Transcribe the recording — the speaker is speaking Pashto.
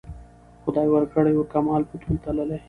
خدای ورکړی وو کمال په تول تللی